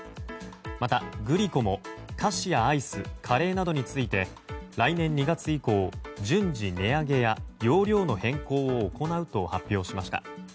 また、グリコも菓子やアイスカレーなどについて来年２月以降、順次値上げや容量の変更を行うと発表しました。